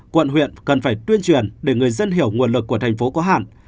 quận huyện cần phải tuyên truyền để người dân hiểu nguồn lực của thành phố có hạn